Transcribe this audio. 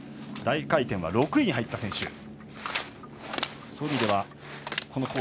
大回転は６位に入った選手。